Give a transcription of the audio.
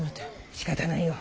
しかたないよ。